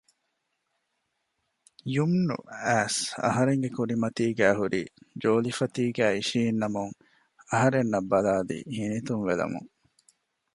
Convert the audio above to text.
ޔުމްނު އައިސް އަހަރެންގެ ކުރިމަތީގައި ހުރި ޖޯލިފަތީގައި އިށީންނަމުން އަހަރެންނަށް ބަލާލީ ހިނިތުންވެލަމުން